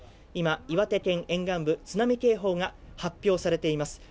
今、岩手県沿岸部、津波警報が発表されています。